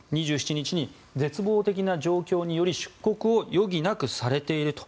２７日に絶望的な状況により出国を余儀なくされている。